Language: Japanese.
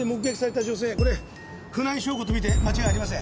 これ船井翔子と見て間違いありません。